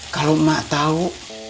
kalau emak tau